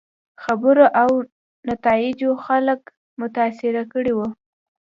خبرو او نتایجو خلک متاثره کړي وو.